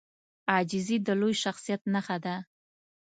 عاجزي د لوی شخصیت نښه ده.